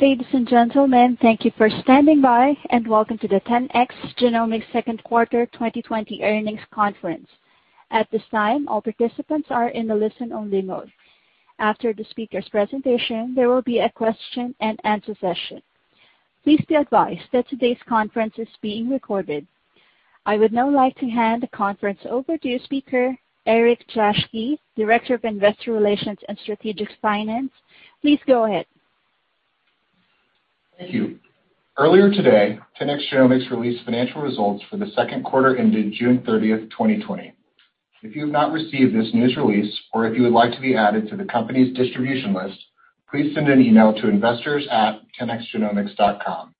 Ladies and gentlemen, thank you for standing by, and welcome to the 10x Genomics Second Quarter 2020 Earnings Conference. At this time, all participants are in a listen-only mode. After the speaker's presentation, there will be a question and answer session. Please be advised that today's conference is being recorded. I would now like to hand the conference over to speaker Eric Jaschke, Director of Investor Relations and Strategic Finance. Please go ahead. Thank you. Earlier today, 10x Genomics released financial results for the second quarter ended June 30th, 2020. If you have not received this news release, or if you would like to be added to the company's distribution list, please send an email to investors@10xgenomics.com.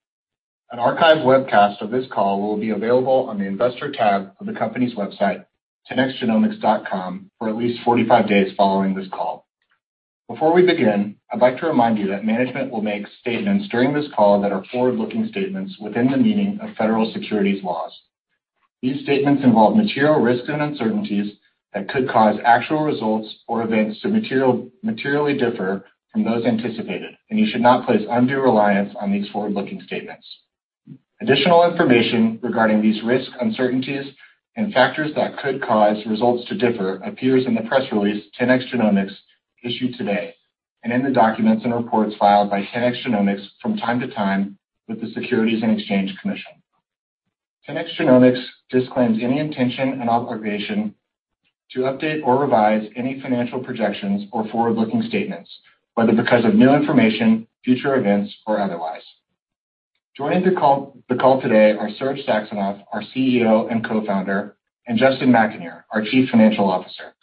An archived webcast of this call will be available on the investor tab of the company's website, 10xgenomics.com, for at least 45 days following this call. Before we begin, I'd like to remind you that management will make statements during this call that are forward-looking statements within the meaning of Federal Securities Laws. These statements involve material risks and uncertainties that could cause actual results or events to materially differ from those anticipated. You should not place undue reliance on these forward-looking statements. Additional information regarding these risks, uncertainties, and factors that could cause results to differ appears in the press release 10x Genomics issued today, and in the documents and reports filed by 10x Genomics from time to time with the Securities and Exchange Commission. 10x Genomics disclaims any intention and obligation to update or revise any financial projections or forward-looking statements, whether because of new information, future events, or otherwise. Joining the call today are Serge Saxonov, our CEO and co-founder, and Justin McAnear, our chief financial officer.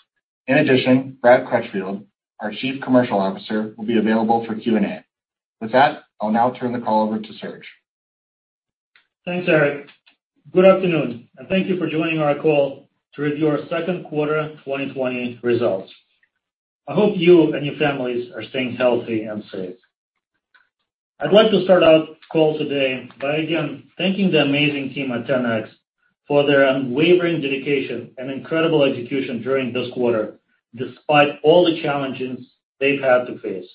In addition, Brad Crutchfield, our chief commercial officer, will be available for Q&A. With that, I'll now turn the call over to Serge. Thanks, Eric. Good afternoon, and thank you for joining our call to review our second quarter 2020 results. I hope you and your families are staying healthy and safe. I'd like to start out the call today by again thanking the amazing team at 10x for their unwavering dedication and incredible execution during this quarter, despite all the challenges they've had to face.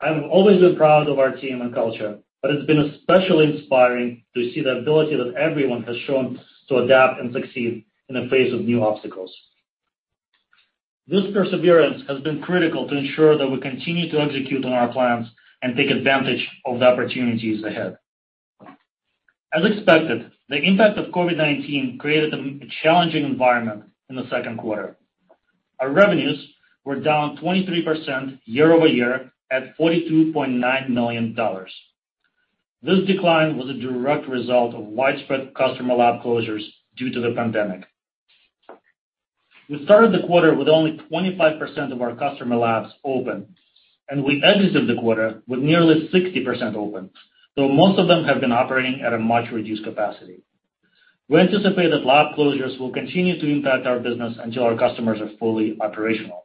I've always been proud of our team and culture, but it's been especially inspiring to see the ability that everyone has shown to adapt and succeed in the face of new obstacles. This perseverance has been critical to ensure that we continue to execute on our plans and take advantage of the opportunities ahead. As expected, the impact of COVID-19 created a challenging environment in the second quarter. Our revenues were down 23% year-over-year at $42.9 million. This decline was a direct result of widespread customer lab closures due to the pandemic. We started the quarter with only 25% of our customer labs open, and we exited the quarter with nearly 60% open, though most of them have been operating at a much reduced capacity. We anticipate that lab closures will continue to impact our business until our customers are fully operational.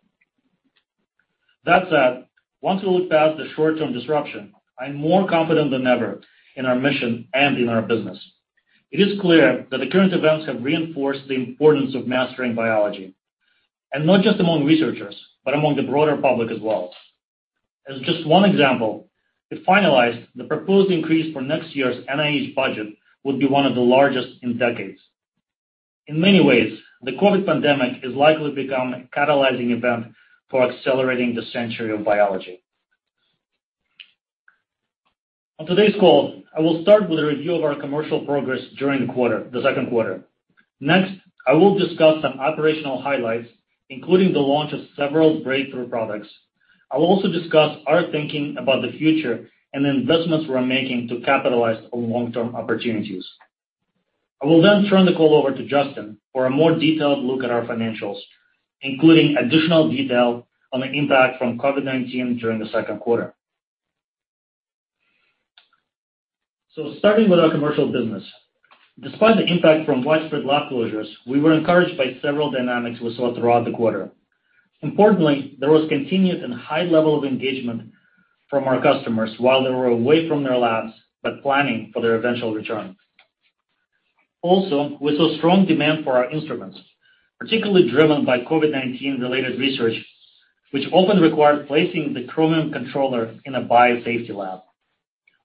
That said, once we look past the short-term disruption, I'm more confident than ever in our mission and in our business. It is clear that the current events have reinforced the importance of mastering biology, and not just among researchers, but among the broader public as well. As just one example, if finalized, the proposed increase for next year's NIH budget would be one of the largest in decades. In many ways, the COVID pandemic has likely become a catalyzing event for accelerating the century of biology. On today's call, I will start with a review of our commercial progress during the second quarter. Next, I will discuss some operational highlights, including the launch of several breakthrough products. I will also discuss our thinking about the future and the investments we're making to capitalize on long-term opportunities. I will then turn the call over to Justin for a more detailed look at our financials, including additional detail on the impact from COVID-19 during the second quarter. Starting with our commercial business. Despite the impact from widespread lab closures, we were encouraged by several dynamics we saw throughout the quarter. Importantly, there was continued and high level of engagement from our customers while they were away from their labs but planning for their eventual return. Also, we saw strong demand for our instruments, particularly driven by COVID-19-related research, which often required placing the Chromium Controller in a biosafety lab.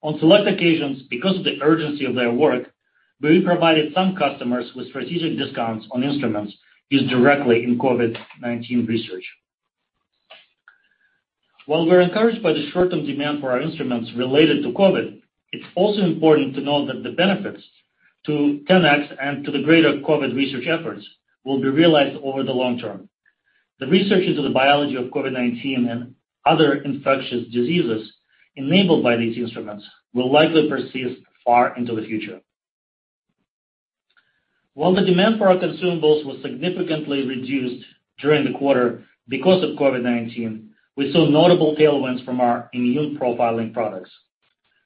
On select occasions, because of the urgency of their work, we provided some customers with strategic discounts on instruments used directly in COVID-19 research. While we're encouraged by the short-term demand for our instruments related to COVID, it's also important to note that the benefits to 10x and to the greater COVID research efforts will be realized over the long term. The research into the biology of COVID-19 and other infectious diseases enabled by these instruments will likely persist far into the future. While the demand for our consumables was significantly reduced during the quarter because of COVID-19, we saw notable tailwinds from our immune profiling products.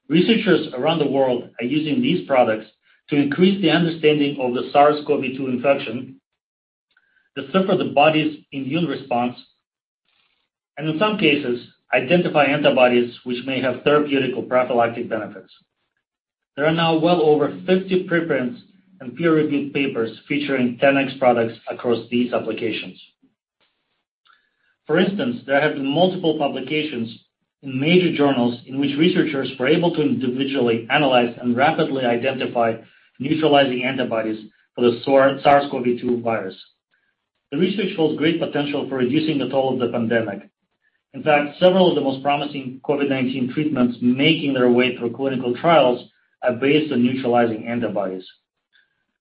Researchers around the world are using these products to increase the understanding of the SARS-CoV-2 infection, decipher the body's immune response, and in some cases, identify antibodies, which may have therapeutic or prophylactic benefits. There are now well over 50 preprints and peer-reviewed papers featuring 10x products across these applications. For instance, there have been multiple publications in major journals in which researchers were able to individually analyze and rapidly identify neutralizing antibodies for the SARS-CoV-2 virus. The research holds great potential for reducing the toll of the pandemic. In fact, several of the most promising COVID-19 treatments making their way through clinical trials are based on neutralizing antibodies.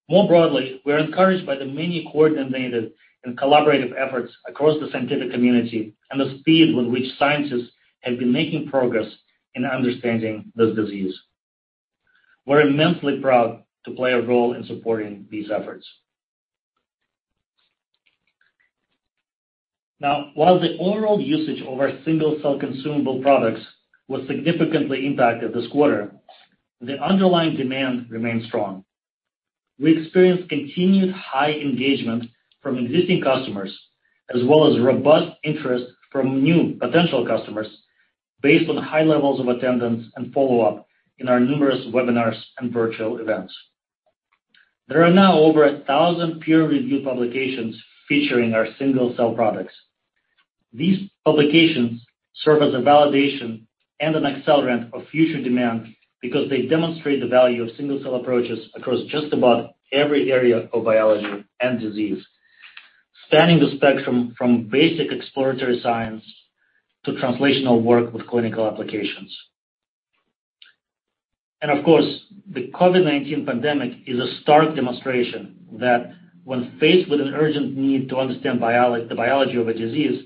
More broadly, we're encouraged by the many coordinated and collaborative efforts across the scientific community and the speed with which scientists have been making progress in understanding this disease. We're immensely proud to play a role in supporting these efforts. While the overall usage of our single-cell consumable products was significantly impacted this quarter, the underlying demand remains strong. We experienced continued high engagement from existing customers, as well as robust interest from new potential customers based on high levels of attendance and follow-up in our numerous webinars and virtual events. There are now over 1,000 peer-reviewed publications featuring our single-cell products. These publications serve as a validation and an accelerant of future demand because they demonstrate the value of single-cell approaches across just about every area of biology and disease, spanning the spectrum from basic exploratory science to translational work with clinical applications. Of course, the COVID-19 pandemic is a stark demonstration that when faced with an urgent need to understand the biology of a disease,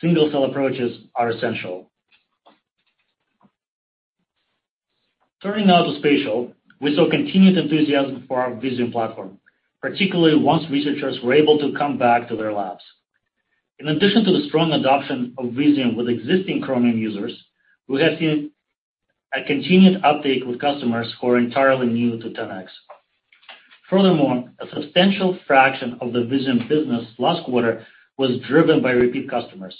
single-cell approaches are essential. Turning now to spatial, we saw continued enthusiasm for our Visium platform, particularly once researchers were able to come back to their labs. In addition to the strong adoption of Visium with existing Chromium users, we have seen a continued uptake with customers who are entirely new to 10x. Furthermore, a substantial fraction of the Visium business last quarter was driven by repeat customers.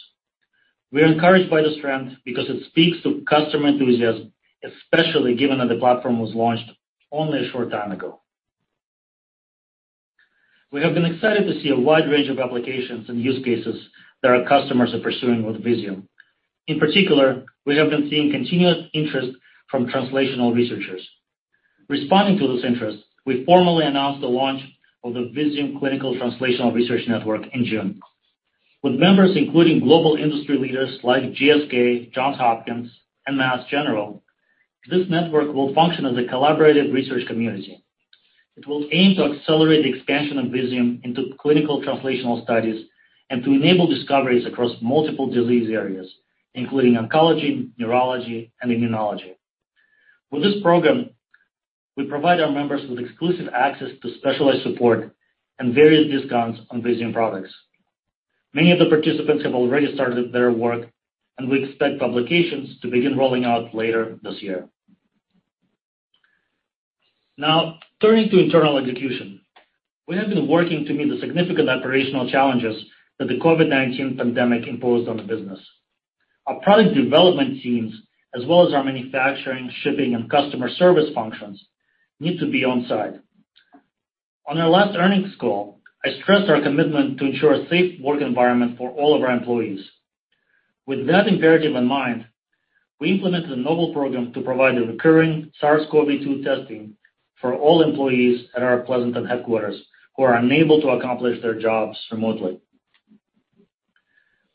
We are encouraged by the strength because it speaks to customer enthusiasm, especially given that the platform was launched only a short time ago. We have been excited to see a wide range of applications and use cases that our customers are pursuing with Visium. In particular, we have been seeing continuous interest from translational researchers. Responding to this interest, we formally announced the launch of the Visium Clinical Translational Research Network in June. With members including global industry leaders like GSK, Johns Hopkins, and Mass General, this network will function as a collaborative research community. It will aim to accelerate the expansion of Visium into clinical translational studies and to enable discoveries across multiple disease areas, including oncology, neurology, and immunology. With this program, we provide our members with exclusive access to specialized support and various discounts on Visium products. Many of the participants have already started their work, and we expect publications to begin rolling out later this year. Now, turning to internal execution. We have been working to meet the significant operational challenges that the COVID-19 pandemic imposed on the business. Our product development teams, as well as our manufacturing, shipping, and customer service functions, need to be on-site. On our last earnings call, I stressed our commitment to ensure a safe work environment for all of our employees. With that imperative in mind, we implemented a novel program to provide recurring SARS-CoV-2 testing for all employees at our Pleasanton headquarters who are unable to accomplish their jobs remotely.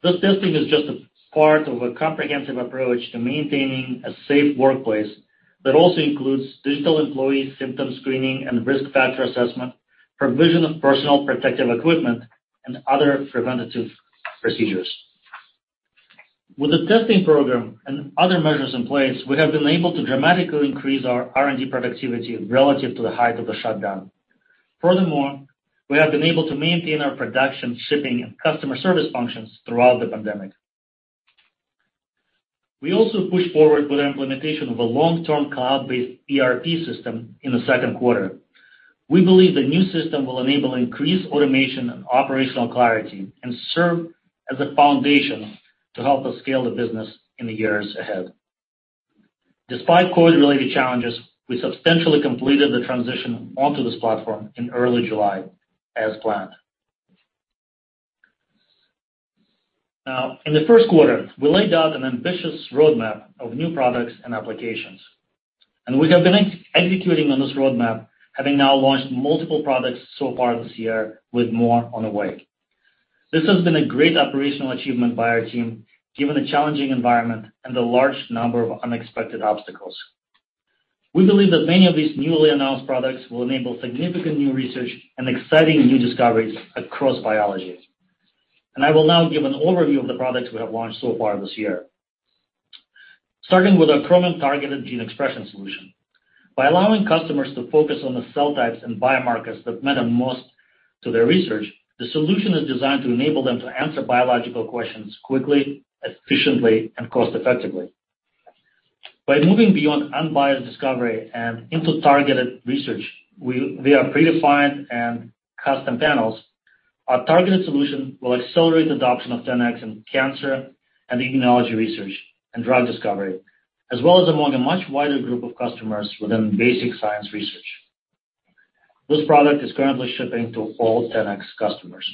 This testing is just a part of a comprehensive approach to maintaining a safe workplace that also includes digital employee symptom screening and risk factor assessment, provision of personal protective equipment, and other preventative procedures. With the testing program and other measures in place, we have been able to dramatically increase our R&D productivity relative to the height of the shutdown. Furthermore, we have been able to maintain our production, shipping, and customer service functions throughout the pandemic. We also pushed forward with the implementation of a long-term cloud-based ERP system in the second quarter. We believe the new system will enable increased automation and operational clarity and serve as a foundation to help us scale the business in the years ahead. Despite COVID-related challenges, we substantially completed the transition onto this platform in early July as planned. Now, in the first quarter, we laid out an ambitious roadmap of new products and applications. We have been executing on this roadmap, having now launched multiple products so far this year, with more on the way. This has been a great operational achievement by our team, given the challenging environment and the large number of unexpected obstacles. We believe that many of these newly announced products will enable significant new research and exciting new discoveries across biology. I will now give an overview of the products we have launched so far this year. Starting with our Chromium Targeted Gene Expression solution. By allowing customers to focus on the cell types and biomarkers that matter most to their research, the solution is designed to enable them to answer biological questions quickly, efficiently, and cost-effectively. By moving beyond unbiased discovery and into targeted research via predefined and custom panels, our targeted solution will accelerate adoption of 10x in cancer and immunology research and drug discovery, as well as among a much wider group of customers within basic science research. This product is currently shipping to all 10x customers.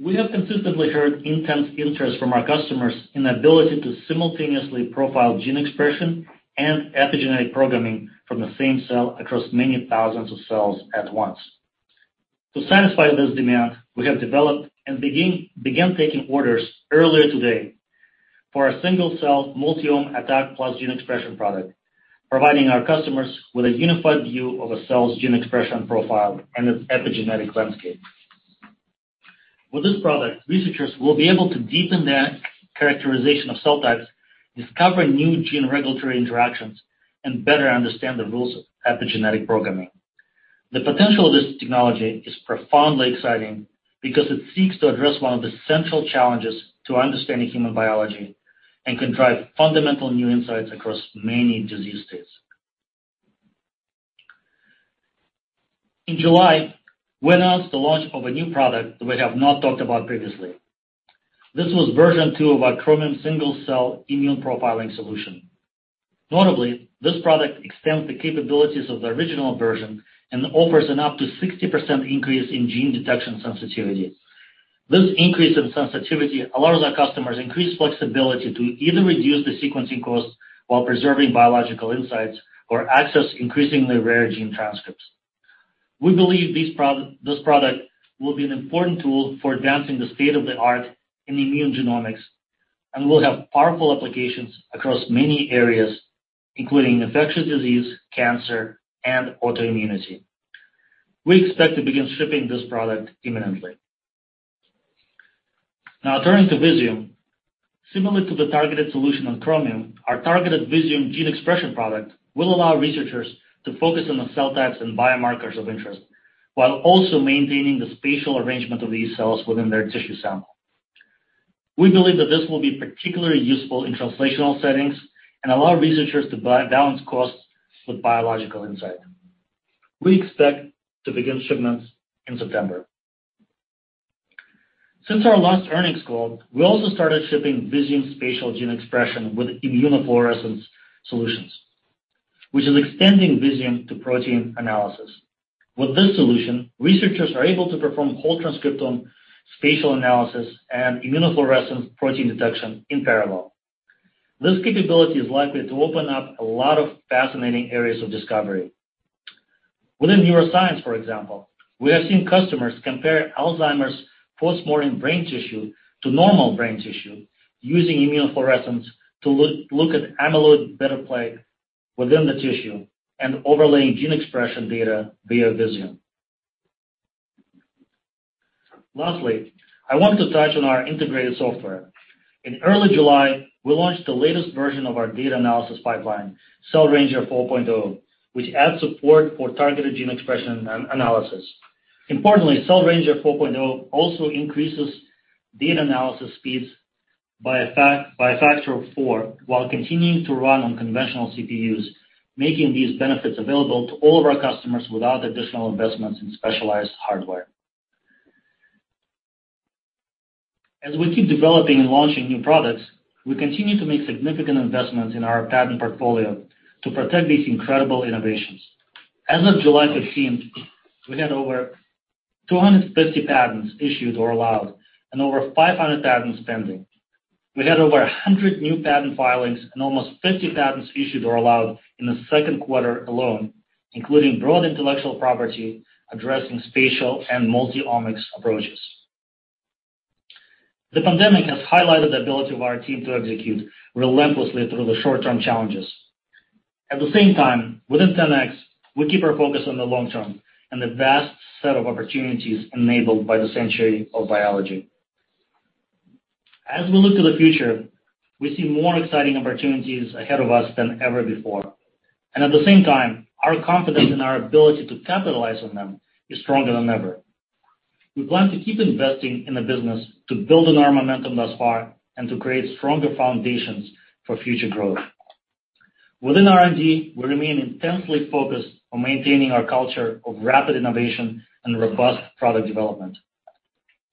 We have consistently heard intense interest from our customers in ability to simultaneously profile gene expression and epigenetic programming from the same cell across many thousands of cells at once. To satisfy this demand, we have developed and began taking orders earlier today for our Single-Cell Multiome ATAC + Gene Expression product, providing our customers with a unified view of a cell's gene expression profile and its epigenetic landscape. With this product, researchers will be able to deepen their characterization of cell types, discover new gene regulatory interactions, and better understand the rules of epigenetic programming. The potential of this technology is profoundly exciting because it seeks to address one of the central challenges to understanding human biology and can drive fundamental new insights across many disease states. In July, we announced the launch of a new product that we have not talked about previously. This was version two of our Chromium Single Cell Immune Profiling solution. Notably, this product extends the capabilities of the original version and offers an up to 60% increase in gene detection sensitivity. This increase in sensitivity allows our customers increased flexibility to either reduce the sequencing costs while preserving biological insights or access increasingly rare gene transcripts. We believe this product will be an important tool for advancing the state-of-the-art in immunogenomics and will have powerful applications across many areas, including infectious disease, cancer, and autoimmunity. We expect to begin shipping this product imminently. Now turning to Visium. Similar to the targeted solution on Chromium, our targeted Visium gene expression product will allow researchers to focus on the cell types and biomarkers of interest while also maintaining the spatial arrangement of these cells within their tissue sample. We believe that this will be particularly useful in translational settings and allow researchers to balance costs with biological insight. We expect to begin shipments in September. Since our last earnings call, we also started shipping Visium Spatial Gene Expression with Immunofluorescence solutions, which is extending Visium to protein analysis. With this solution, researchers are able to perform whole transcriptome spatial analysis and immunofluorescence protein detection in parallel. This capability is likely to open up a lot of fascinating areas of discovery. Within neuroscience, for example, we have seen customers compare Alzheimer's post-mortem brain tissue to normal brain tissue using immunofluorescence to look at amyloid beta plaque within the tissue and overlaying gene expression data via Visium. Lastly, I want to touch on our integrated software. In early July, we launched the latest version of our data analysis pipeline, Cell Ranger 4.0, which adds support for Targeted Gene Expression analysis. Importantly, Cell Ranger 4.0 also increases data analysis speeds by a factor of four while continuing to run on conventional CPUs, making these benefits available to all of our customers without additional investments in specialized hardware. As we keep developing and launching new products, we continue to make significant investments in our patent portfolio to protect these incredible innovations. As of July 15th, we had over 250 patents issued or allowed and over 500 patents pending. We had over 100 new patent filings and almost 50 patents issued or allowed in the second quarter alone, including broad intellectual property addressing spatial and multi-omics approaches. The pandemic has highlighted the ability of our team to execute relentlessly through the short-term challenges. At the same time, within 10x, we keep our focus on the long term and the vast set of opportunities enabled by the century of biology. As we look to the future, we see more exciting opportunities ahead of us than ever before. At the same time, our confidence in our ability to capitalize on them is stronger than ever. We plan to keep investing in the business to build on our momentum thus far and to create stronger foundations for future growth. Within R&D, we remain intensely focused on maintaining our culture of rapid innovation and robust product development.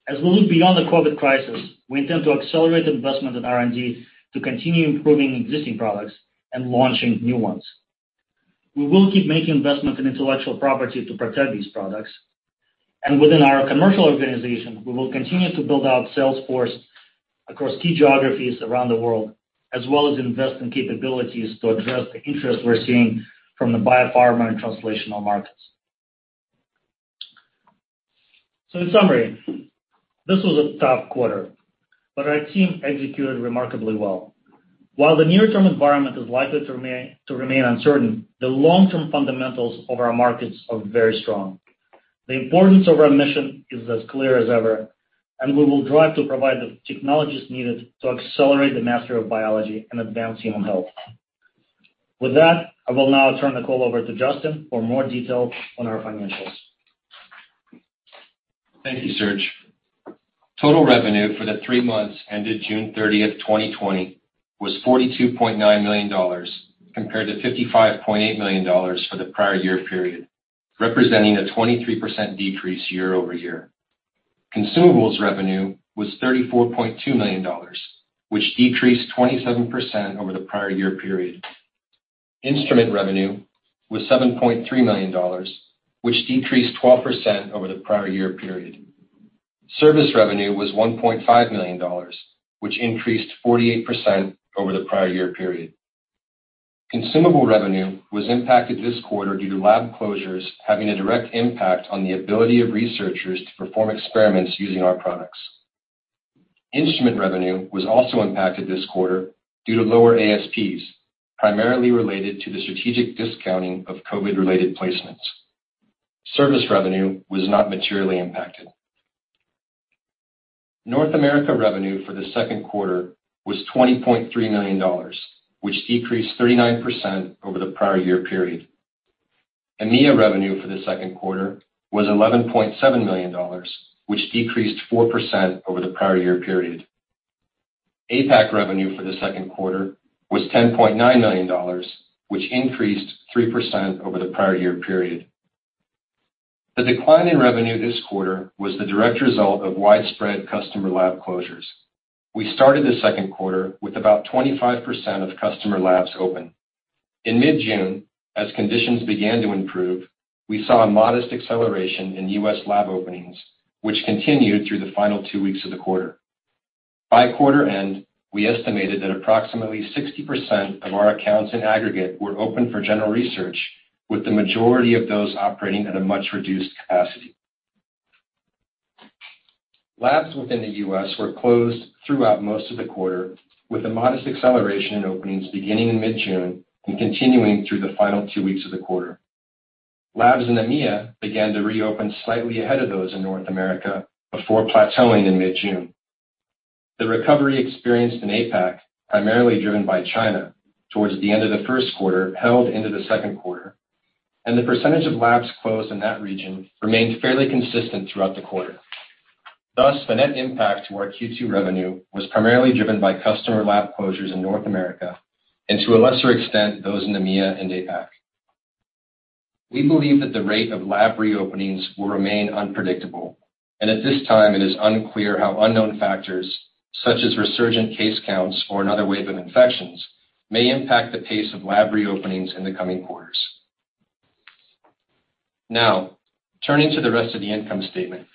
As we look beyond the COVID-19 crisis, we intend to accelerate investment in R&D to continue improving existing products and launching new ones. We will keep making investments in intellectual property to protect these products, and within our commercial organization, we will continue to build out sales force across key geographies around the world, as well as invest in capabilities to address the interest we're seeing from the biopharma and translational markets. In summary, this was a tough quarter, but our team executed remarkably well. While the near-term environment is likely to remain uncertain, the long-term fundamentals of our markets are very strong. The importance of our mission is as clear as ever, and we will drive to provide the technologies needed to accelerate the mastery of biology and advance human health. With that, I will now turn the call over to Justin for more details on our financials. Thank you, Serge. Total revenue for the three months ended June 30th, 2020, was $42.9 million, compared to $55.8 million for the prior year period, representing a 23% decrease year-over-year. Consumables revenue was $34.2 million, which decreased 27% over the prior year period. Instrument revenue was $7.3 million, which decreased 12% over the prior year period. Service revenue was $1.5 million, which increased 48% over the prior year period. Consumable revenue was impacted this quarter due to lab closures having a direct impact on the ability of researchers to perform experiments using our products. Instrument revenue was also impacted this quarter due to lower ASPs, primarily related to the strategic discounting of COVID-related placements. Service revenue was not materially impacted. North America revenue for the second quarter was $20.3 million, which decreased 39% over the prior year period. EMEA revenue for the second quarter was $11.7 million, which decreased 4% over the prior year period. APAC revenue for the second quarter was $10.9 million, which increased 3% over the prior year period. The decline in revenue this quarter was the direct result of widespread customer lab closures. We started the second quarter with about 25% of customer labs open. In mid-June, as conditions began to improve, we saw a modest acceleration in U.S. lab openings, which continued through the final two weeks of the quarter. By quarter end, we estimated that approximately 60% of our accounts in aggregate were open for general research, with the majority of those operating at a much reduced capacity. Labs within the U.S. were closed throughout most of the quarter, with a modest acceleration in openings beginning in mid-June and continuing through the final two weeks of the quarter. Labs in EMEA began to reopen slightly ahead of those in North America before plateauing in mid-June. The recovery experienced in APAC, primarily driven by China, towards the end of the first quarter held into the second quarter, and the percentage of labs closed in that region remained fairly consistent throughout the quarter. Thus, the net impact to our Q2 revenue was primarily driven by customer lab closures in North America and, to a lesser extent, those in EMEA and APAC. We believe that the rate of lab reopenings will remain unpredictable, and at this time it is unclear how unknown factors such as resurgent case counts or another wave of infections may impact the pace of lab reopenings in the coming quarters. Now, turning to the rest of the income statement.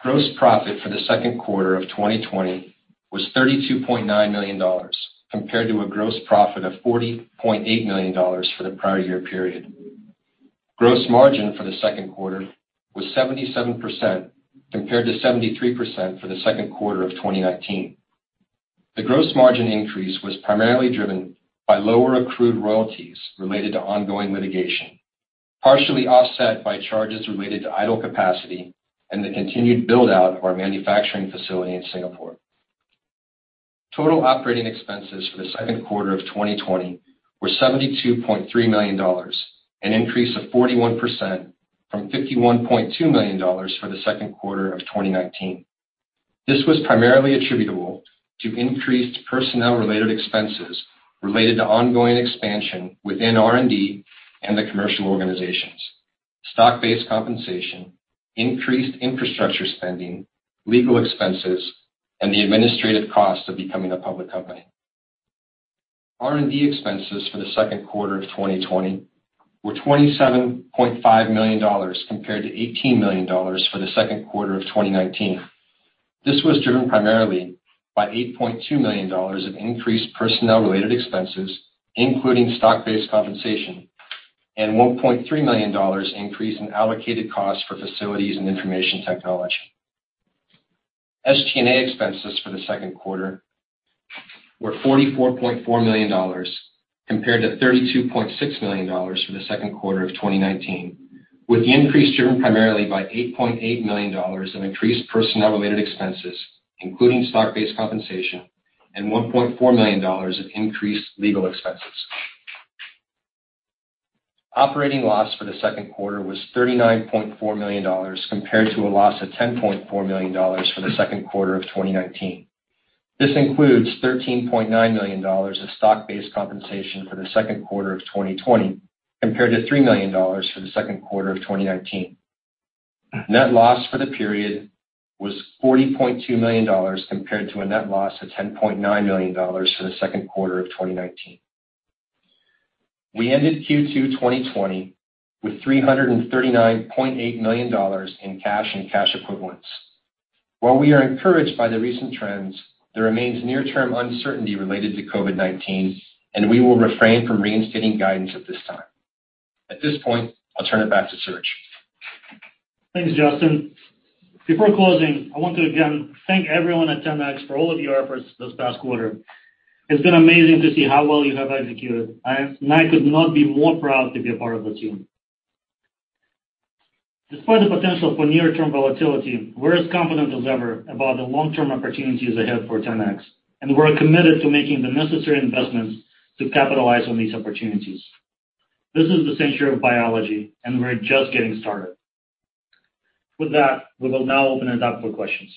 Gross profit for the second quarter of 2020 was $32.9 million, compared to a gross profit of $40.8 million for the prior year period. Gross margin for the second quarter was 77%, compared to 73% for the second quarter of 2019. The gross margin increase was primarily driven by lower accrued royalties related to ongoing litigation, partially offset by charges related to idle capacity and the continued build-out of our manufacturing facility in Singapore. Total operating expenses for the second quarter of 2020 were $72.3 million, an increase of 41% from $51.2 million for the second quarter of 2019. This was primarily attributable to increased personnel-related expenses related to ongoing expansion within R&D and the commercial organizations, stock-based compensation, increased infrastructure spending, legal expenses, and the administrative cost of becoming a public company. R&D expenses for the second quarter of 2020 were $27.5 million compared to $18 million for the second quarter of 2019. This was driven primarily by $8.2 million of increased personnel-related expenses, including stock-based compensation and $1.3 million increase in allocated costs for facilities and information technology. SG&A expenses for the second quarter were $44.4 million compared to $32.6 million for the second quarter of 2019, with the increase driven primarily by $8.8 million of increased personnel-related expenses, including stock-based compensation and $1.4 million of increased legal expenses. Operating loss for the second quarter was $39.4 million compared to a loss of $10.4 million for the second quarter of 2019. This includes $13.9 million of stock-based compensation for the second quarter of 2020 compared to $3 million for the second quarter of 2019. Net loss for the period was $40.2 million compared to a net loss of $10.9 million for the second quarter of 2019. We ended Q2 2020 with $339.8 million in cash and cash equivalents. While we are encouraged by the recent trends, there remains near-term uncertainty related to COVID-19, and we will refrain from reinstating guidance at this time. At this point, I'll turn it back to Serge. Thanks, Justin. Before closing, I want to again thank everyone at 10x for all of your efforts this past quarter. It's been amazing to see how well you have executed, and I could not be more proud to be a part of the team. Despite the potential for near-term volatility, we're as confident as ever about the long-term opportunities ahead for 10x, and we're committed to making the necessary investments to capitalize on these opportunities. This is the century of biology, and we're just getting started. With that, we will now open it up for questions.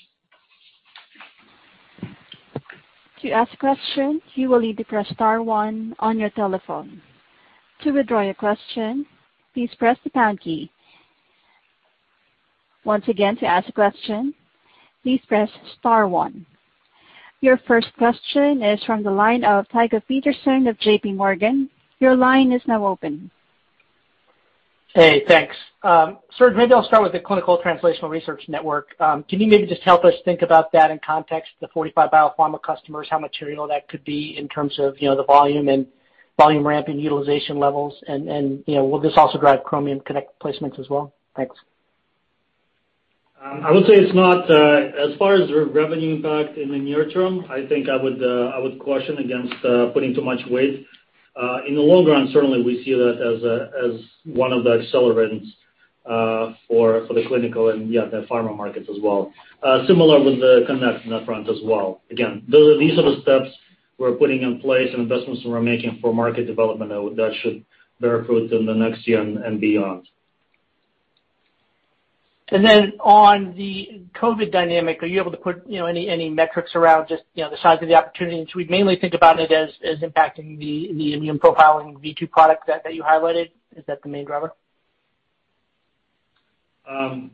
To ask a question, you will need to press star one on your telephone. To withdraw your question, please press the pound key. Once again, to ask a question, please press star one. Your first question is from the line of Tycho Peterson of JPMorgan. Your line is now open. Hey, thanks. Serge, maybe I'll start with the Clinical Translational Research Network. Can you maybe just help us think about that in context of the 45 biopharma customers, how material that could be in terms of the volume and volume ramp and utilization levels and, will this also drive Chromium Connect placements as well? Thanks. I would say it's not, as far as revenue impact in the near term, I think I would caution against putting too much weight. In the long run, certainly, we see that as one of the accelerants for the clinical and, yeah, the pharma markets as well. Similar with the Connect front as well. Again, these are the steps we're putting in place and investments we're making for market development that should bear fruit in the next year and beyond. Then on the COVID dynamic, are you able to put any metrics around just the size of the opportunity? Should we mainly think about it as impacting the immune profiling V2 product that you highlighted? Is that the main driver? The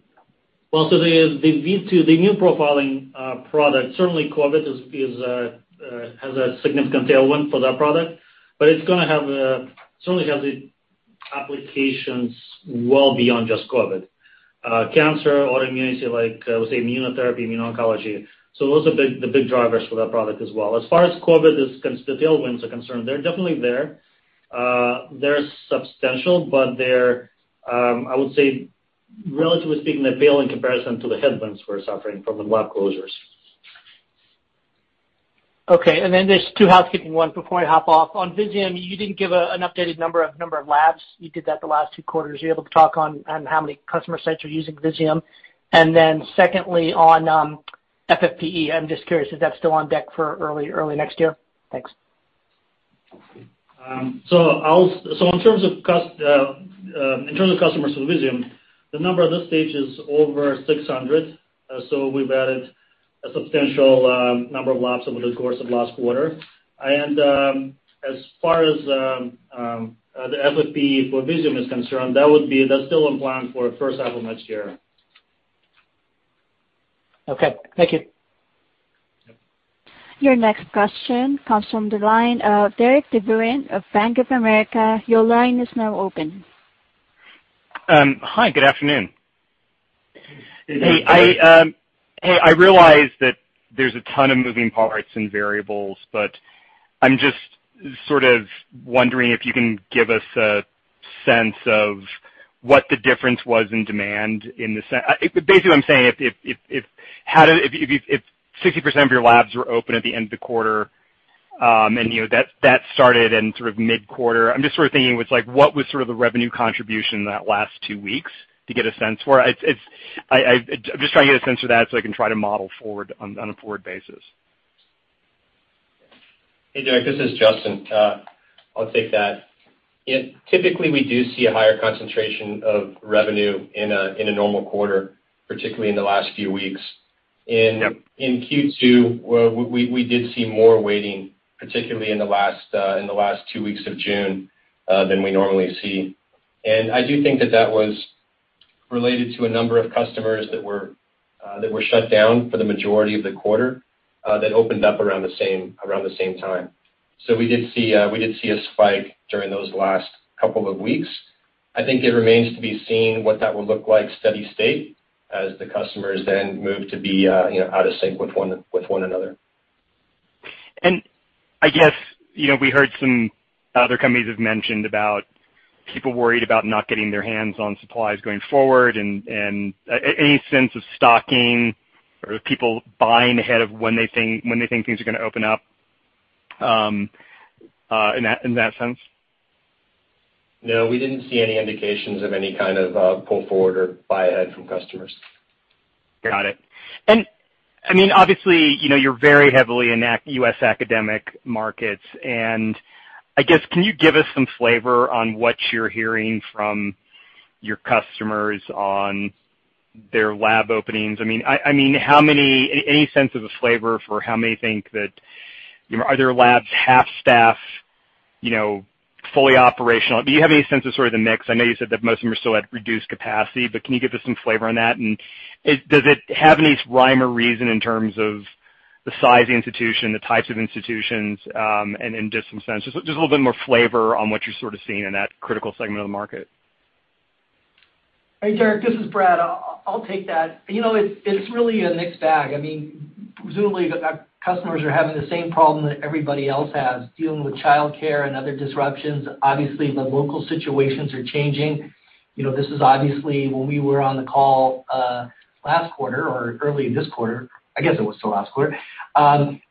V2, the immune profiling product, certainly COVID has a significant tailwind for that product, but it certainly has applications well beyond just COVID. Cancer, autoimmunity, like, I would say immunotherapy, immuno-oncology. Those are the big drivers for that product as well. As far as COVID, the tailwinds are concerned, they're definitely there. They're substantial, but I would say, relatively speaking, they pale in comparison to the headwinds we're suffering from the lab closures. Okay, just two housekeeping one before I hop off. On Visium, you didn't give an updated number of labs. You did that the last two quarters. Are you able to talk on how many customer sites are using Visium? Secondly, on FFPE, I'm just curious, is that still on deck for early next year? Thanks. In terms of customers for Visium, the number at this stage is over 600. We've added a substantial number of labs over the course of last quarter. As far as the FFPE for Visium is concerned, that's still on plan for the first half of next year. Okay. Thank you. Your next question comes from the line of Derik de Bruin of Bank of America. Your line is now open. Hi, good afternoon. Hey, Derik. Hey, I realize that there's a ton of moving parts and variables, but I'm just sort of wondering if you can give us a sense of what the difference was in demand. Basically what I'm saying, if 60% of your labs were open at the end of the quarter, and that started in sort of mid-quarter, I'm just sort of thinking what was sort of the revenue contribution that last two weeks to get a sense for it. I'm just trying to get a sense of that so I can try to model on a forward basis. Hey, Derik, this is Justin. I'll take that. Typically, we do see a higher concentration of revenue in a normal quarter, particularly in the last few weeks. Yep. In Q2, we did see more weighting, particularly in the last two weeks of June, than we normally see. I do think that that was related to a number of customers that were shut down for the majority of the quarter, that opened up around the same time. We did see a spike during those last couple of weeks. I think it remains to be seen what that will look like steady state as the customers then move to be out of sync with one another. I guess, we heard some other companies have mentioned about people worried about not getting their hands on supplies going forward and any sense of stocking or people buying ahead of when they think things are going to open up, in that sense? No, we didn't see any indications of any kind of pull forward or buy ahead from customers. Got it. Obviously, you're very heavily in U.S. academic markets, and I guess, can you give us some flavor on what you're hearing from your customers on their lab openings? Any sense of a flavor for how many think that, are their labs half staff, fully operational? Do you have any sense of sort of the mix? I know you said that most of them are still at reduced capacity, but can you give us some flavor on that? Does it have any rhyme or reason in terms of the size of the institution, the types of institutions, and just some sense, just a little bit more flavor on what you're sort of seeing in that critical segment of the market? Hey, Derik, this is Brad. I'll take that. It's really a mixed bag. Presumably, the customers are having the same problem that everybody else has, dealing with childcare and other disruptions. Obviously, the local situations are changing. This is obviously, when we were on the call last quarter or early this quarter, I guess it was still last quarter,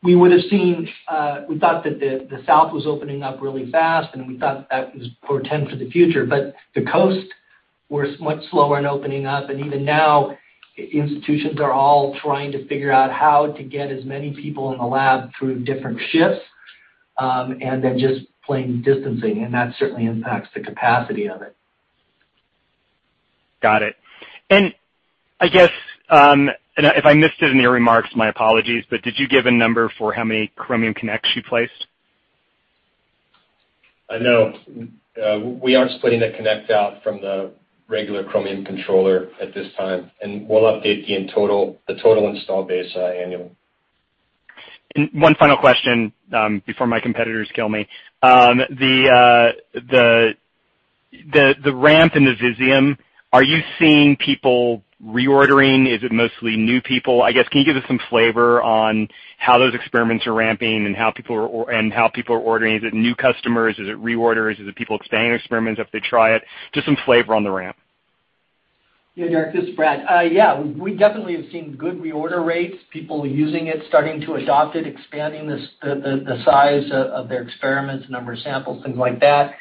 we thought that the South was opening up really fast, and we thought that was portend for the future, but the coast was much slower in opening up. Even now, institutions are all trying to figure out how to get as many people in the lab through different shifts, and then just plain distancing, and that certainly impacts the capacity of it. Got it. I guess, and if I missed it in your remarks, my apologies, but did you give a number for how many Chromium Connects you placed? No. We aren't splitting the Connect out from the regular Chromium Controller at this time. We'll update the total installed base annually. One final question, before my competitors kill me. The ramp in the Visium, are you seeing people reordering? Is it mostly new people? I guess, can you give us some flavor on how those experiments are ramping and how people are ordering? Is it new customers? Is it reorders? Is it people expanding experiments if they try it? Just some flavor on the ramp. Derik, this is Brad. Yeah. We definitely have seen good reorder rates, people using it, starting to adopt it, expanding the size of their experiments, number of samples, things like that.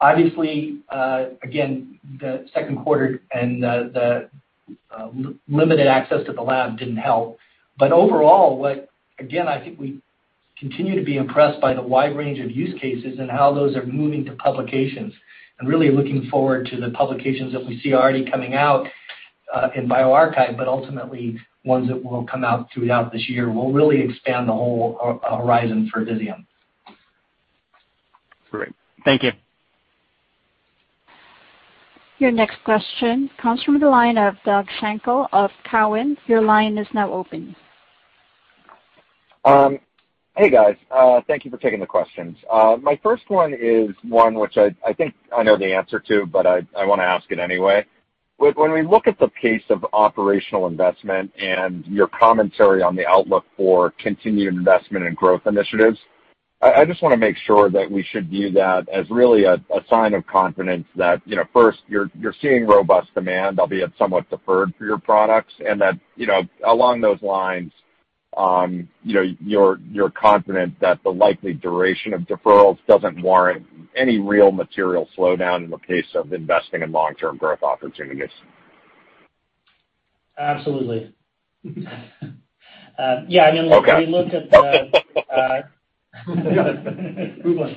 Obviously, again, the second quarter and the limited access to the lab didn't help. Overall, again, I think we continue to be impressed by the wide range of use cases and how those are moving to publications, and really looking forward to the publications that we see already coming out in bioRxiv, but ultimately, ones that will come out throughout this year will really expand the whole horizon for Visium. Great. Thank you. Your next question comes from the line of Doug Schenkel of Cowen. Your line is now open. Hey, guys. My first one is one which I think I know the answer to, but I want to ask it anyway. When we look at the pace of operational investment and your commentary on the outlook for continued investment in growth initiatives, I just want to make sure that we should view that as really a sign of confidence that, first, you're seeing robust demand, albeit somewhat deferred for your products, and that along those lines, you're confident that the likely duration of deferrals doesn't warrant any real material slowdown in the pace of investing in long-term growth opportunities. Absolutely. Okay. Good one.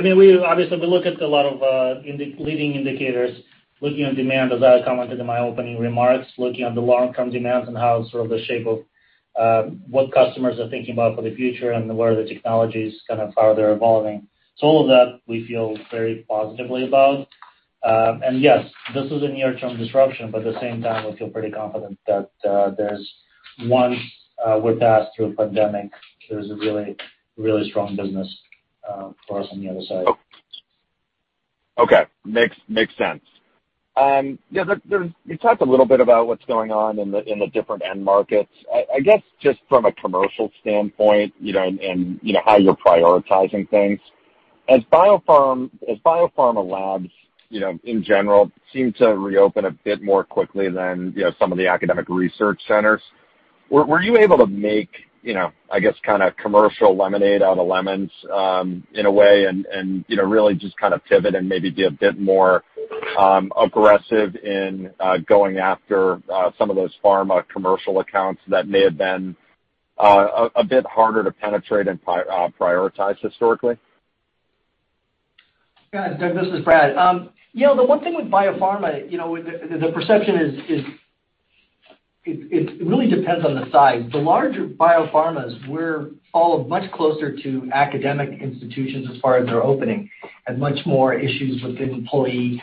Obviously, we look at a lot of leading indicators, looking at demand, as I commented in my opening remarks, looking at the long-term demands and how sort of the shape of what customers are thinking about for the future and where the technology is kind of how they're evolving. All of that we feel very positively about. Yes, this is a near-term disruption, but at the same time, we feel pretty confident that there's, once we're past through the pandemic, there's a really strong business for us on the other side. Okay. Makes sense. You talked a little bit about what's going on in the different end markets. I guess, just from a commercial standpoint, and how you're prioritizing things, as biopharma labs in general seem to reopen a bit more quickly than some of the academic research centers, were you able to make, I guess, kind of commercial lemonade out of lemons in a way and really just kind of pivot and maybe be a bit more aggressive in going after some of those pharma commercial accounts that may have been a bit harder to penetrate and prioritize historically? Doug, this is Brad. The one thing with biopharma, the perception is it really depends on the size. The larger biopharmas were all much closer to academic institutions as far as their opening and much more issues with employee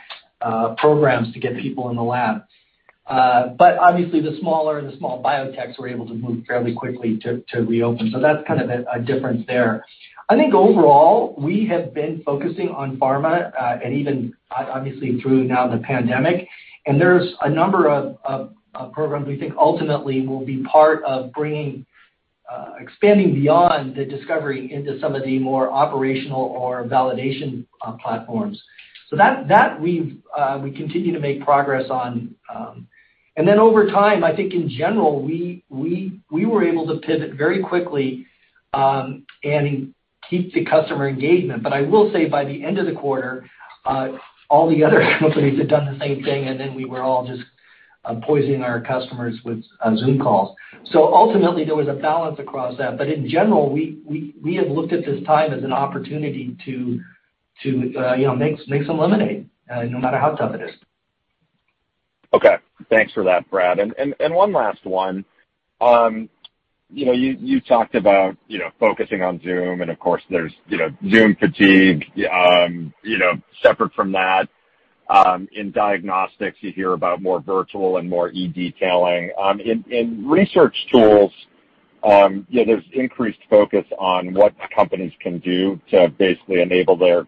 programs to get people in the lab. Obviously, the smaller and the small biotechs were able to move fairly quickly to reopen. That's kind of a difference there. I think overall, we have been focusing on pharma, and even obviously through now the pandemic, and there's a number of programs we think ultimately will be part of expanding beyond the discovery into some of the more operational or validation platforms. That, we continue to make progress on. Over time, I think in general, we were able to pivot very quickly and keep the customer engagement. I will say by the end of the quarter, all the other companies had done the same thing, and then we were all just poisoning our customers with Zoom calls. Ultimately, there was a balance across that. In general, we have looked at this time as an opportunity to make some lemonade, no matter how tough it is. Okay. Thanks for that, Brad. One last one. You talked about focusing on Zoom, and of course, there's Zoom fatigue. Separate from that, in diagnostics, you hear about more virtual and more e-detailing. In research tools, there's increased focus on what companies can do to basically enable their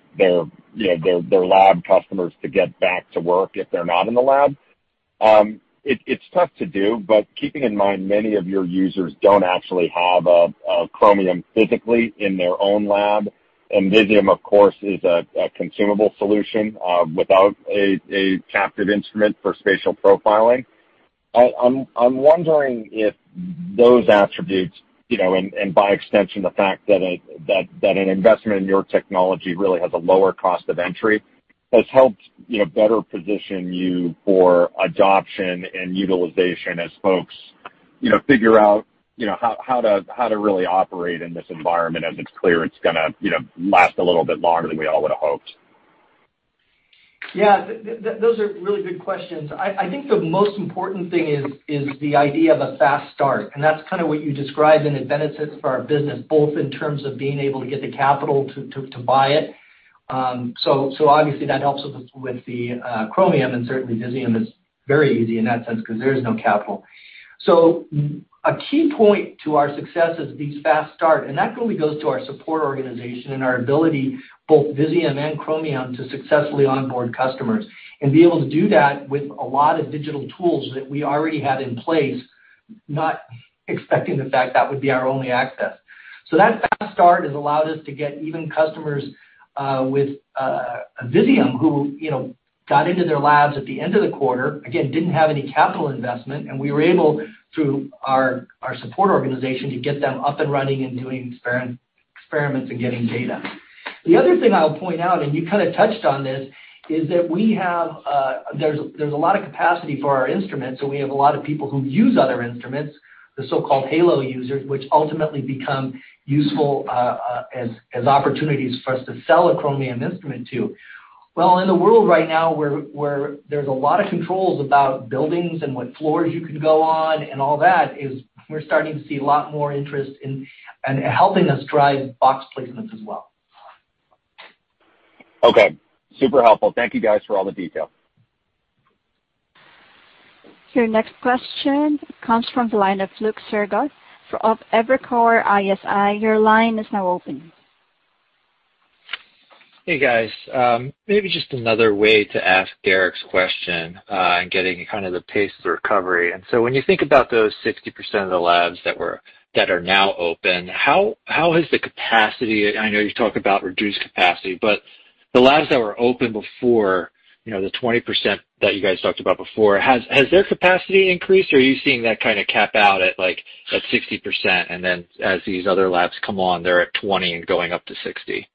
lab customers to get back to work if they're not in the lab. It's tough to do, but keeping in mind many of your users don't actually have a Chromium physically in their own lab, and Visium, of course, is a consumable solution without a captive instrument for spatial profiling. I'm wondering if those attributes, and by extension, the fact that an investment in your technology really has a lower cost of entry, has helped better position you for adoption and utilization as folks figure out how to really operate in this environment, as it's clear it's going to last a little bit longer than we all would've hoped. Yeah. Those are really good questions. I think the most important thing is the idea of a fast start, and that's kind of what you described and the benefits for our business, both in terms of being able to get the capital to buy it. Obviously, that helps with the Chromium and certainly Visium is very easy in that sense because there is no capital. A key point to our success is these fast start, and that really goes to our support organization and our ability, both Visium and Chromium, to successfully onboard customers and be able to do that with a lot of digital tools that we already had in place, not expecting the fact that would be our only access. That fast start has allowed us to get even customers, with Visium, who got into their labs at the end of the quarter, again, didn't have any capital investment, and we were able, through our support organization, to get them up and running and doing experiments and getting data. The other thing I'll point out, and you kind of touched on this, is that there's a lot of capacity for our instruments, so we have a lot of people who use other instruments, the so-called halo users, which ultimately become useful as opportunities for us to sell a Chromium instrument to. Well, in the world right now, where there's a lot of controls about buildings and what floors you can go on and all that is we're starting to see a lot more interest in helping us drive box placements as well. Okay. Super helpful. Thank you, guys, for all the details. Your next question comes from the line of Luke Sergott of Evercore ISI. Your line is now open. Hey, guys. Maybe just another way to ask Derik's question on getting kind of the pace of the recovery. When you think about those 60% of the labs that are now open, how has the capacity, I know you talk about reduced capacity, but the labs that were open before, the 20% that you guys talked about before, has their capacity increased, or are you seeing that kind of cap out at like at 60% and then as these other labs come on, they're at 20% and going up to 60%?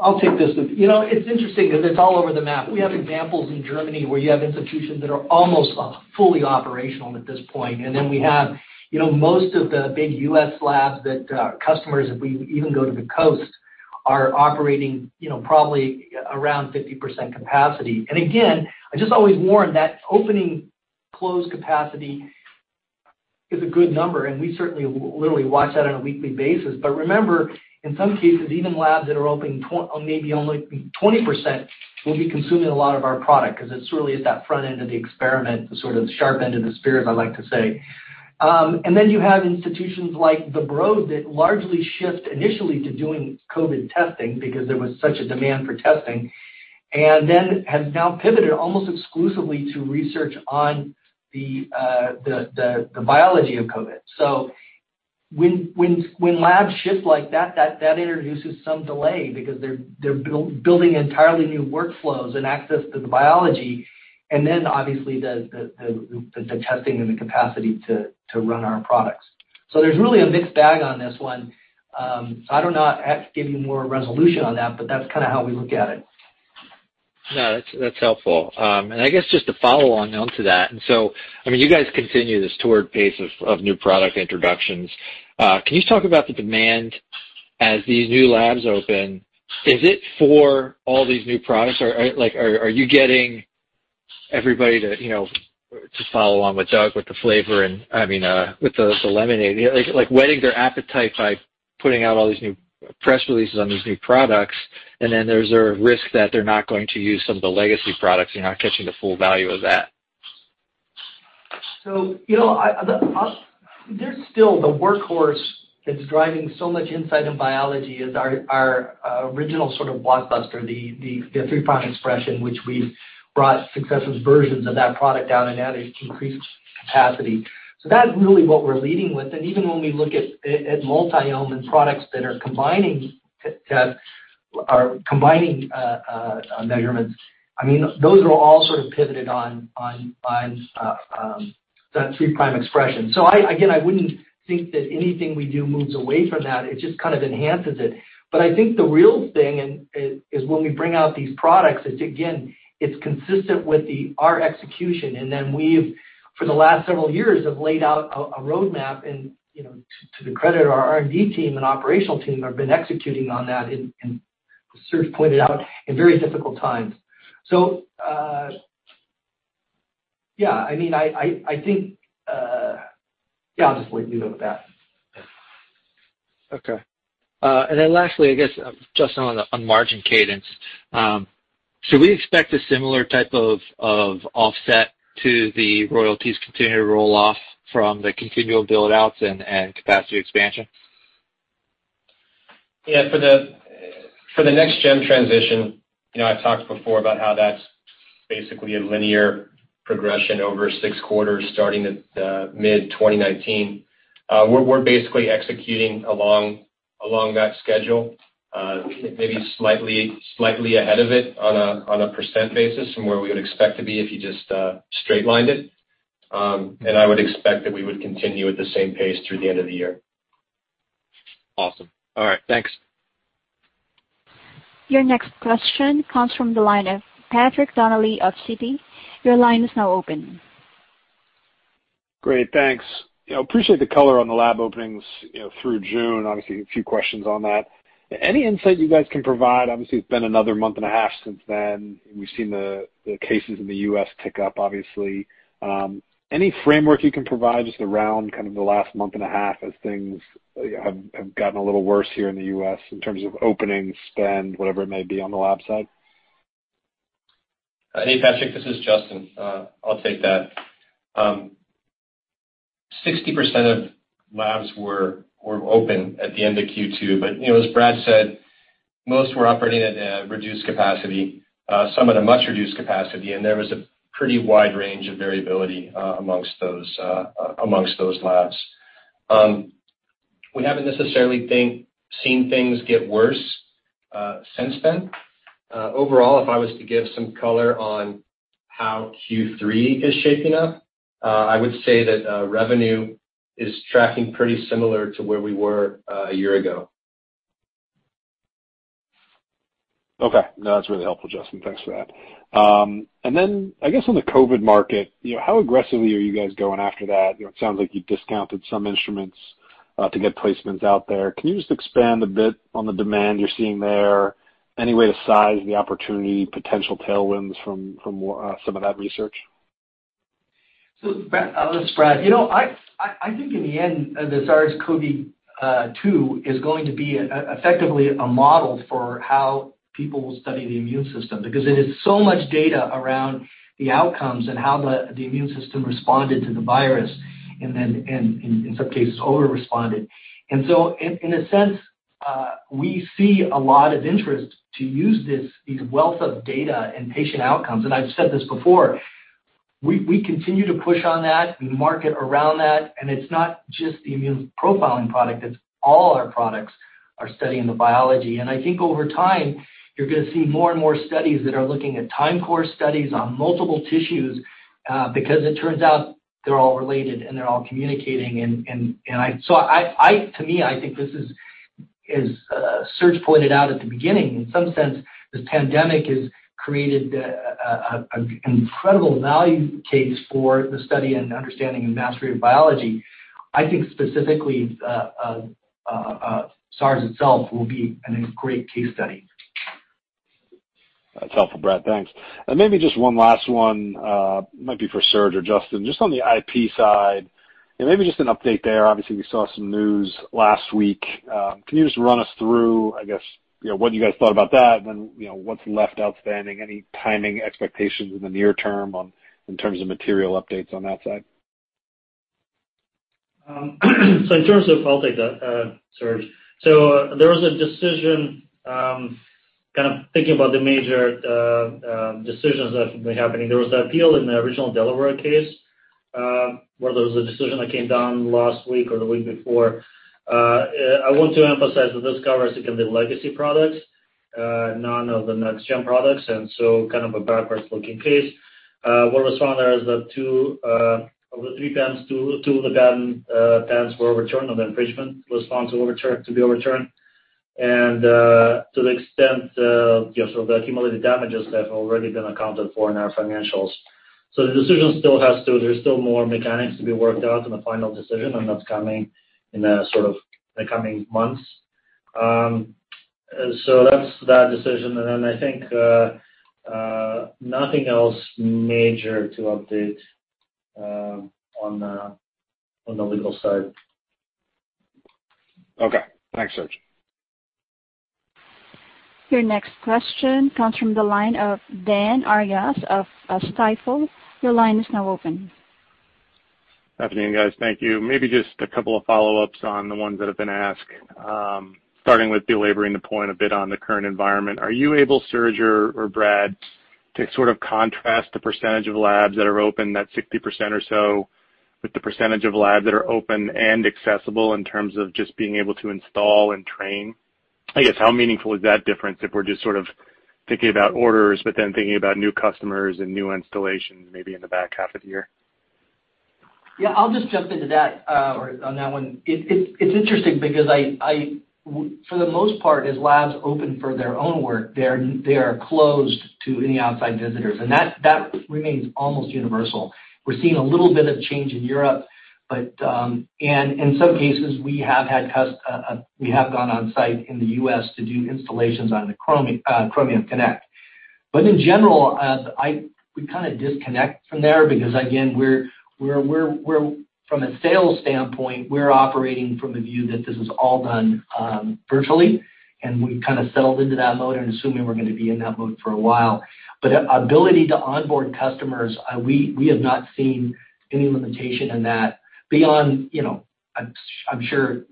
I'll take this. It's interesting because it's all over the map. We have examples in Germany where you have institutions that are almost fully operational at this point, and then we have most of the big U.S. labs that, customers, if we even go to the coast, are operating probably around 50% capacity. Again, I just always warn that opening closed capacity is a good number, and we certainly literally watch that on a weekly basis. Remember, in some cases, even labs that are opening maybe only 20% will be consuming a lot of our product because it's really at that front end of the experiment, the sort of sharp end of the spear, as I like to say. You have institutions like the Broad that largely shift initially to doing COVID testing because there was such a demand for testing, has now pivoted almost exclusively to research on the biology of COVID. When labs shift like that introduces some delay because they're building entirely new workflows and access to the biology, obviously the testing and the capacity to run our products. There's really a mixed bag on this one. I don't know how to give you more resolution on that, but that's kind of how we look at it. No, that's helpful. I guess just to follow on onto that, I mean, you guys continue this torrid pace of new product introductions. Can you talk about the demand as these new labs open? Is it for all these new products? Are you getting everybody to, just follow on with Doug, with the flavor and I mean, with the lemonade, like whetting their appetite by putting out all these new press releases on these new products, and then is there a risk that they're not going to use some of the legacy products, you're not catching the full value of that? There's still the workhorse that's driving so much insight in biology is our original sort of blockbuster, the 3-prime expression, which we've brought successive versions of that product out and added increased capacity. That's really what we're leading with. Even when we look at Multiome and products that are combining measurements, I mean, those are all sort of pivoted on that 3-prime expression. Again, I wouldn't think that anything we do moves away from that. It just kind of enhances it. I think the real thing is when we bring out these products, it's again, it's consistent with our execution, and then we've, for the last several years, have laid out a roadmap and, to the credit of our R&D team and operational team, have been executing on that and as Serge pointed out, in very difficult times. I mean, I think, yeah, I'll just leave it with that. Okay. Lastly, I guess, Justin, on margin cadence. Should we expect a similar type of offset to the royalties continuing to roll off from the continual build-outs and capacity expansion? For the next gen transition, I've talked before about how that's basically a linear progression over six quarters starting at mid 2019. We're basically executing along that schedule, maybe slightly ahead of it on a percent basis from where we would expect to be if you just straight lined it. I would expect that we would continue at the same pace through the end of the year. Awesome. All right. Thanks. Your next question comes from the line of Patrick Donnelly of Citi. Your line is now open. Great, thanks. I appreciate the color on the lab openings through June, obviously a few questions on that. Any insight you guys can provide? Obviously, it's been another month and a half since then. We've seen the cases in the U.S. tick up, obviously. Any framework you can provide just around the last month and a half as things have gotten a little worse here in the U.S. in terms of openings, spend, whatever it may be on the lab side? Hey, Patrick, this is Justin. I'll take that. 60% of labs were open at the end of Q2. As Brad said, most were operating at a reduced capacity, some at a much-reduced capacity, and there was a pretty wide range of variability amongst those labs. We haven't necessarily seen things get worse since then. Overall, if I was to give some color on how Q3 is shaping up, I would say that revenue is tracking pretty similar to where we were a year ago. Okay. No, that's really helpful, Justin. Thanks for that. Then I guess on the COVID market, how aggressively are you guys going after that? It sounds like you discounted some instruments to get placements out there. Can you just expand a bit on the demand you're seeing there? Any way to size the opportunity, potential tailwinds from some of that research? This is Brad. I think in the end, the SARS-CoV-2 is going to be effectively a model for how people will study the immune system, because it is so much data around the outcomes and how the immune system responded to the virus, and in some cases, over-responded. In a sense, we see a lot of interest to use this, these wealth of data and patient outcomes, and I've said this before, we continue to push on that. We market around that, and it's not just the Immune Profiling product, it's all our products are studying the biology. I think over time, you're going to see more and more studies that are looking at time course studies on multiple tissues, because it turns out they're all related and they're all communicating. To me, I think this is, as Serge pointed out at the beginning, in some sense, this pandemic has created an incredible value case for the study and understanding and mastery of biology. I think specifically, SARS itself will be a great case study. That's helpful, Brad. Thanks. Maybe just one last one, might be for Serge or Justin, just on the IP side, maybe just an update there. Obviously, we saw some news last week. Can you just run us through, I guess, what you guys thought about that, then what's left outstanding, any timing expectations in the near term in terms of material updates on that side? I'll take that. Serge. There was a decision, kind of thinking about the major decisions that have been happening. There was the appeal in the original Delaware case, where there was a decision that came down last week or the week before. I want to emphasize that this covers, again, the legacy products, none of the next gen products, kind of a backwards-looking case. What was found there is that of the three patents, two of the patents were overturned on infringement, were found to be overturned. To the extent, the accumulated damages have already been accounted for in our financials. The decision, there's still more mechanics to be worked out in the final decision, that's coming in the coming months. That's that decision. I think, nothing else major to update on the legal side. Okay. Thanks, Serge. Your next question comes from the line of Dan Arias of Stifel. Your line is now open. Afternoon, guys. Thank you. Maybe just a couple of follow-ups on the ones that have been asked, starting with belaboring the point a bit on the current environment. Are you able, Serge or Brad, to sort of contrast the percentage of labs that are open, that 60% or so, with the percentage of labs that are open and accessible in terms of just being able to install and train? I guess, how meaningful is that difference if we're just sort of thinking about orders, but then thinking about new customers and new installations maybe in the back half of the year? Yeah, I'll just jump into that on that one. It's interesting because for the most part, as labs open for their own work, they are closed to any outside visitors, and that remains almost universal. We're seeing a little bit of change in Europe, and in some cases we have gone on site in the U.S. to do installations on the Chromium Connect. In general, we kind of disconnect from there because again, from a sales standpoint, we're operating from the view that this is all done virtually, and we've kind of settled into that mode and assuming we're going to be in that mode for a while. Ability to onboard customers, we have not seen any limitation in that beyond, I'm sure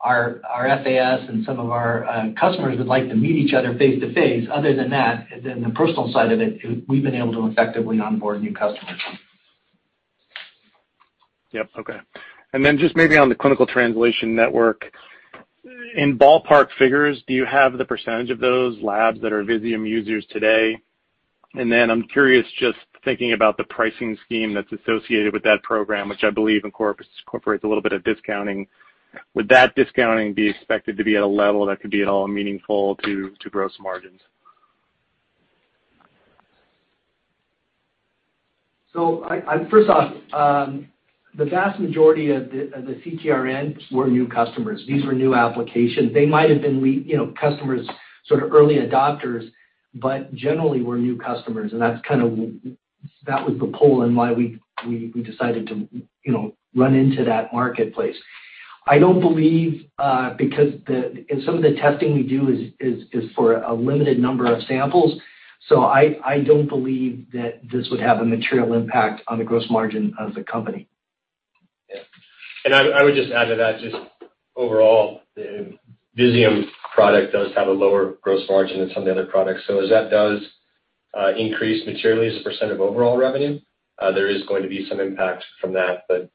our FAS and some of our customers would like to meet each other face-to-face. Other than that, the personal side of it, we've been able to effectively onboard new customers. Yep. Okay. Just maybe on the Clinical Translation Network, in ballpark figures, do you have the percentage of those labs that are Visium users today? I'm curious, just thinking about the pricing scheme that's associated with that program, which I believe incorporates a little bit of discounting. Would that discounting be expected to be at a level that could be at all meaningful to gross margins? First off, the vast majority of the CTRNs were new customers. These were new applications. They might have been customers, sort of early adopters, but generally were new customers. That was the pull and why we decided to run into that marketplace. I don't believe, because some of the testing we do is for a limited number of samples, so I don't believe that this would have a material impact on the gross margin of the company. I would just add to that, just overall, the Visium product does have a lower gross margin than some of the other products. As that does increase materially as a % of overall revenue, there is going to be some impact from that, but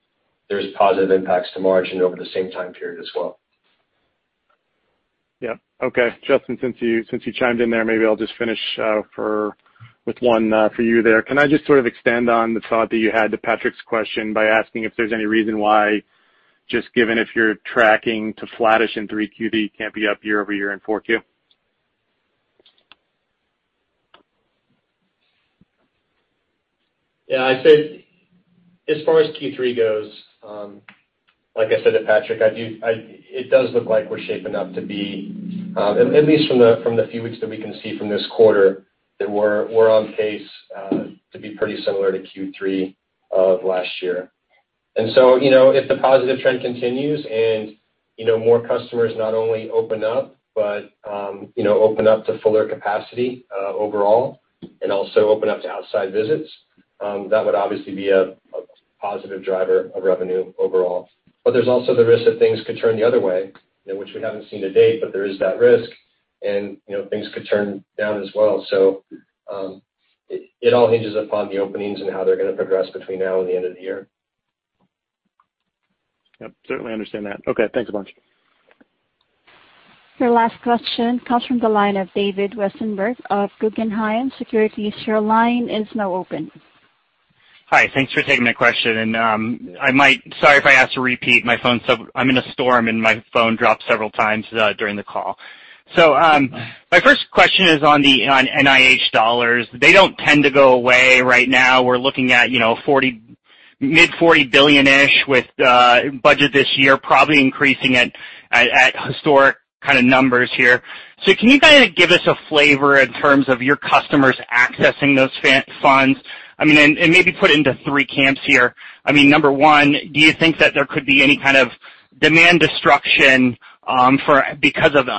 there's positive impacts to margin over the same time period as well. Yeah. Okay. Justin, since you chimed in there, maybe I'll just finish with one for you there. Can I just sort of extend on the thought that you had to Patrick's question by asking if there's any reason why, just given if you're tracking to flattish in 3Q, that you can't be up year-over-year in 4Q? Yeah, I'd say as far as Q3 goes, like I said to Patrick, it does look like we're shaping up to be, at least from the few weeks that we can see from this quarter, that we're on pace to be pretty similar to Q3 of last year. If the positive trend continues and more customers not only open up, but open up to fuller capacity overall and also open up to outside visits, that would obviously be a positive driver of revenue overall. There's also the risk that things could turn the other way, which we haven't seen to date, but there is that risk and things could turn down as well. It all hinges upon the openings and how they're going to progress between now and the end of the year. Yep, certainly understand that. Okay, thanks a bunch. Your last question comes from the line of David Westenberg of Guggenheim Securities. Your line is now open. Hi. Thanks for taking my question. Sorry if I ask a repeat, I'm in a storm and my phone dropped several times during the call. My first question is on NIH dollars. They don't tend to go away. Right now, we're looking at mid $40 billion-ish with budget this year, probably increasing at historic kind of numbers here. Can you guys give us a flavor in terms of your customers accessing those funds? I mean, maybe put it into three camps here. I mean, number one, do you think that there could be any kind of demand destruction, because of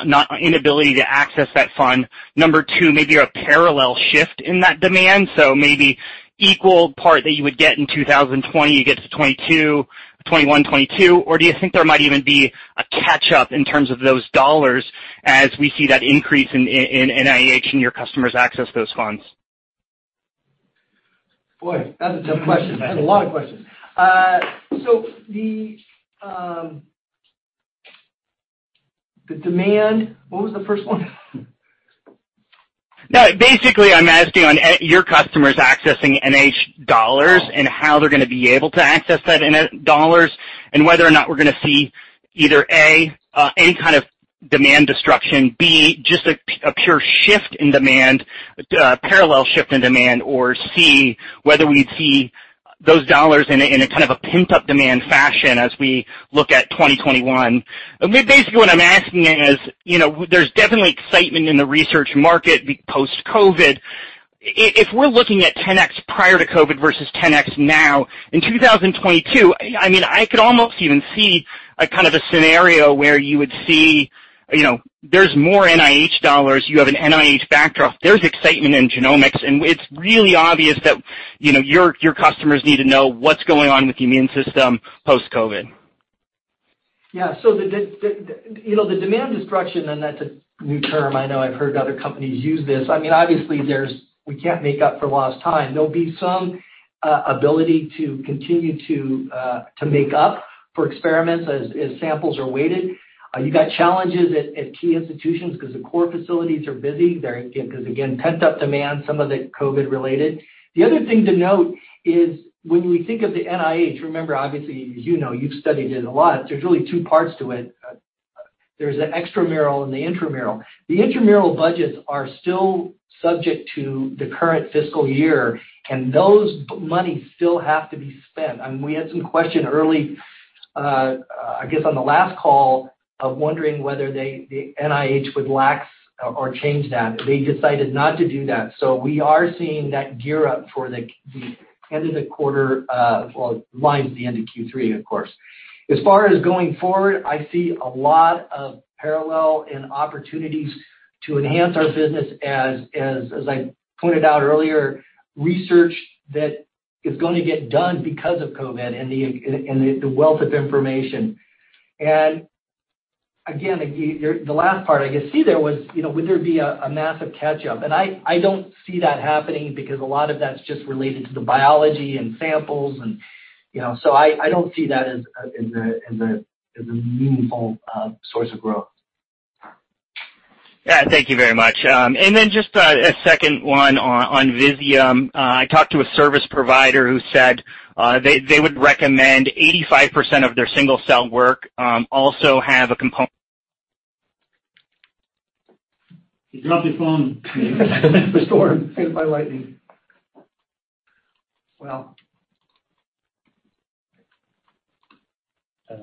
inability to access that fund? Number two, maybe a parallel shift in that demand, so maybe equal part that you would get in 2020, you get to 2022, 2021, 2022, or do you think there might even be a catch-up in terms of those dollars as we see that increase in NIH and your customers access those funds? Boy, that's a tough question. That's a lot of questions. What was the first one? No, basically, I'm asking on your customers accessing NIH dollars and how they're going to be able to access that NIH dollars, and whether or not we're going to see either, A, any kind of demand destruction, B, just a pure shift in demand, parallel shift in demand, or C, whether we'd see those dollars in a kind of a pent-up demand fashion as we look at 2021. Basically, what I'm asking is, there's definitely excitement in the research market post-COVID. If we're looking at 10x prior to COVID versus 10x now, in 2022, I could almost even see a kind of a scenario where you would see there's more NIH dollars. You have an NIH backdrop. There's excitement in genomics, and it's really obvious that your customers need to know what's going on with the immune system post-COVID. Yeah. The demand destruction, and that's a new term I know I've heard other companies use this. I mean, obviously, we can't make up for lost time. There'll be some ability to continue to make up for experiments as samples are weighted. You got challenges at key institutions because the core facilities are busy. Again, pent-up demand, some of it COVID related. The other thing to note is when we think of the NIH, remember, obviously, as you know, you've studied it a lot, there's really two parts to it. There's the extramural and the intramural. The intramural budgets are still subject to the current fiscal year, and those monies still have to be spent. We had some question early, I guess, on the last call, of wondering whether the NIH would relax or change that. They decided not to do that. We are seeing that gear up for the end of the quarter. Well, mine's the end of Q3, of course. As far as going forward, I see a lot of parallel and opportunities to enhance our business. As I pointed out earlier, research that is going to get done because of COVID and the wealth of information. Again, the last part I guess, C there was, would there be a massive catch-up? I don't see that happening because a lot of that's just related to the biology and samples. I don't see that as a meaningful source of growth. Yeah. Thank you very much. Just a second one on Visium. I talked to a service provider who said they would recommend 85% of their single-cell work also have a compo- He dropped his phone. The storm hit by lightning. Well. I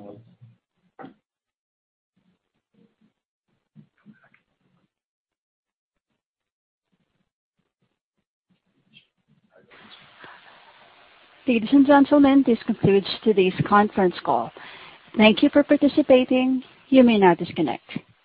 don't know. Ladies and gentlemen, this concludes today's conference call. Thank you for participating. You may now disconnect.